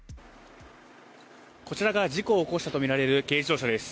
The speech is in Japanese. こちらが事故を起こしたとみられる軽自動車です。